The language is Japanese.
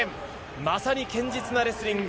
まさに堅実なレスリング。